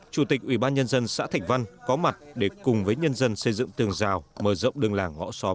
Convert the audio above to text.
chủ tịch ủy ban nhân dân xã thạch văn có mặt để cùng với nhân dân xây dựng tường rào mở rộng đường làng ngõ xóm